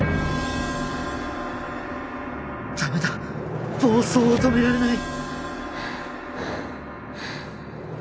ダメだ暴走を止められない！